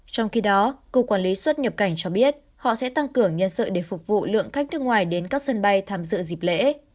trong khi đó cục quản lý xuất nhập cảnh cho biết họ sẽ tăng cường nhân sự để phục vụ lượng khách nước ngoài đến các sân bay tham dự dịp lễ